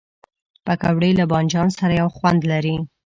پکورې له بادنجان سره یو خوند لري